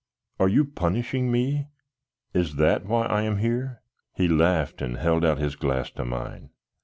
"Are you punishing me? Is that why I am here?" He laughed and held out his glass to mine.